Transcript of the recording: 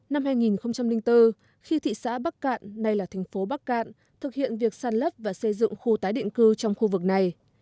năm hai nghìn bốn khi thị xã bắc cạn nay là thành phố bắc cạn thực hiện việc sàn lấp và xây dựng khu tái định cư trong khu vực này